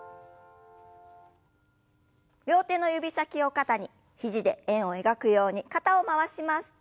両手の指先を肩に肘で円を描くように肩を回します。